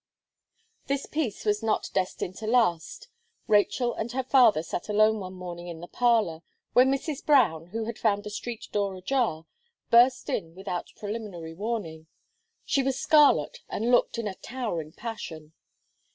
This peace was not destined to last Rachel and her father sat alone one morning in the parlour, when Mrs. Brown, who had found the street door ajar, burst in without preliminary warning. She was scarlet, and looked in a towering passion.